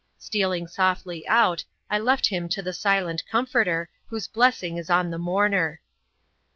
Stealing softly out, I left him to the silent Comforter whose blessing is on the mourner.